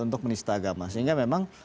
untuk menista agama sehingga memang